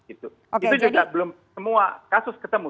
itu juga belum semua kasus ketemu